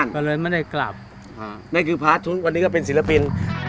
ก็เลยไม่ได้กลับนั่นคือพาร์ทชุดวันนี้ก็เป็นศิลปิน